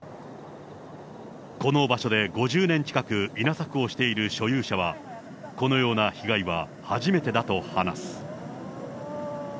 この場所で５０年近く稲作をしている所有者は、このような被害は初めてだと話す。